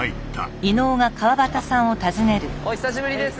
あっお久しぶりです。